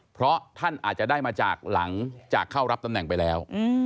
เพราะท่านอาจจะได้มาจากหลังจากเข้ารับตำแหน่งไปแล้ว